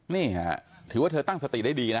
นี่ค่ะถือว่าเธอตั้งสติได้ดีนะ